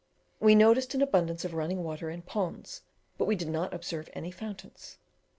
We noticed an abundance of running water and ponds, but we did not observe any fountains.